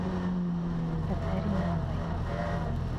Хәтәр ине ағай.